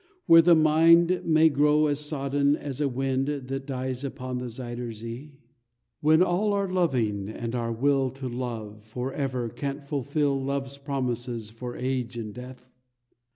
Where the mind May grow as sodden as a wind That dies upon the Zuyder Zee? When all our loving and our will To love for ever can't fulfil Love's promises for age and death?